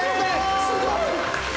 すごい！